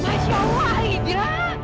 masya allah aida